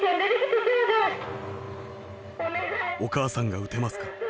「『お母さんが撃てますか？』